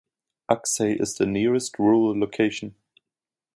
Aksay is the nearest rural locality.